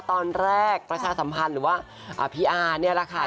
ตอนแรกประชาสัมพันธ์หรือว่าพี่อาร์เนี่ยแหละค่ะ